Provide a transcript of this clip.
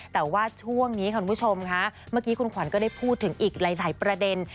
แต่ว่าช่วงนี้คุณผู้ชมค่ะเมื่อกี้คุณขวัญก็ได้พูดถึงอีกหลายประเด็น